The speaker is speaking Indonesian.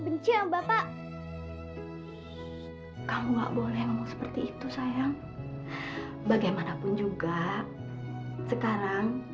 penahan free supplement minuman seperti itu tota wajahnya juga pada pair nih negeri pak maman